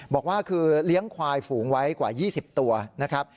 บอกว่าคือเลี้ยงควายฝูงไว้กว่า๒๐ตัวนะครับ